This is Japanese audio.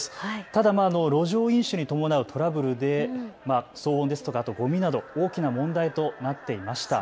ただ路上飲酒に伴うトラブルで騒音ですとかごみなど大きな問題となっていました。